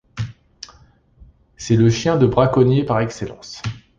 C'est le chien de braconnier par excellence.